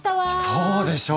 そうでしょ！